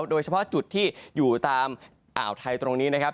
โดยเฉพาะจุดที่อยู่ตามอ่าวไทยตรงนี้นะครับ